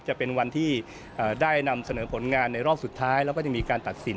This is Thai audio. จะเป็นวันที่ได้นำเสนอผลงานในรอบสุดท้ายแล้วก็จะมีการตัดสิน